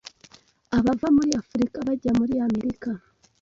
abava muri Afurika bajya muri Amerika